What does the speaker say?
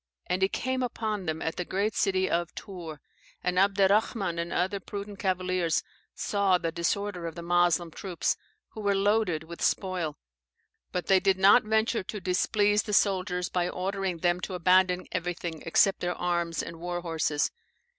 And he came upon them at the great city of Tours. And Abderrahman and other prudent cavaliers saw the disorder of the Moslem troops, who were loaded with spoil; but they did not venture to displease the soldiers by ordering them to abandon everything except their arms and war horses.